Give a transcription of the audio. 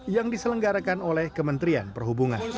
yang diselenggarakan oleh kementerian perhubungan